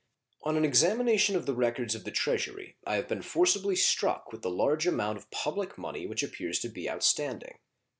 On an examination of the records of the Treasury I have been forcibly struck with the large amount of public money which appears to be outstanding.